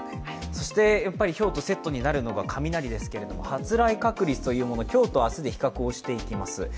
そしてひょうとセットになるのが雷なんですが発雷確率というもの、今日と明日で比較をしていきます。